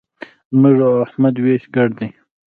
زموږ او احمد وېش ګډ دی.